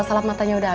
wubara kaya yangara